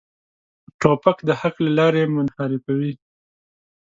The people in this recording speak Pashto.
توپک د حق له لارې منحرفوي.